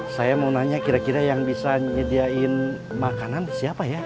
saya mau nanya kira kira yang bisa nyediain makanan siapa ya